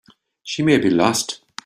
She may be lost.